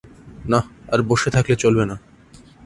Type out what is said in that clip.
না আর বসে থাকলে চলবেনা।